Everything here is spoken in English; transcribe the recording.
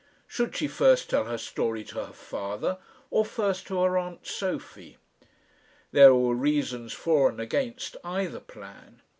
Should she first tell her story to her father, or first to her aunt Sophie? There were reasons for and against either plan.